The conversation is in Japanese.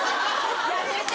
やめて。